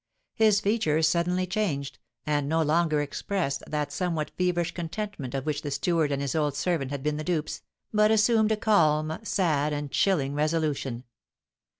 His features suddenly changed, and no longer expressed that somewhat feverish contentment of which the steward and his old servant had been the dupes, but assumed a calm, sad, and chilling resolution.